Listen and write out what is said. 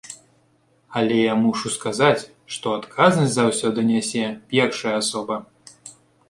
Але я мушу сказаць, што адказнасць заўсёды нясе першая асоба.